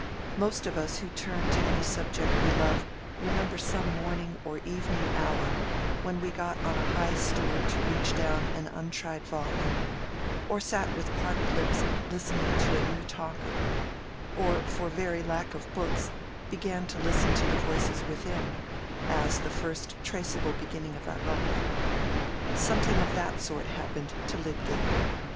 Most of us who turn to any subject with love remember some morning or evening hour when we got on a high stool to reach down an untried volume, or sat with parted lips listening to a new talker, or for very lack of books began to listen to the voices within, as the first traceable beginning of our love. Something of that sort happened to Lydgate.